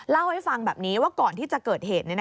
เล่าให้ฟังแบบนี้ว่าก่อนที่จะเกิดเหตุ